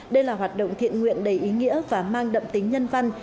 đây là hoạt động thiện nguyện đầy ý nghĩa và mang đậm tính nhân văn